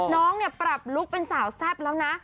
น้องเนี่ยปรับลุคเป็นสาวแซ่บแล้วนะ